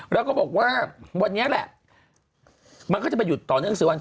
แล้วก็บอกว่าวันนี้แหละมันก็จะไปหยุดต่อเนื่อง๔วัน